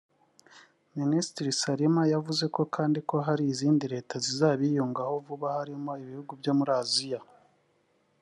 Minisitiri Salman yavuze kandi ko hari izindi leta zizabiyungaho vuba harimo ibihugu byo muri Aziya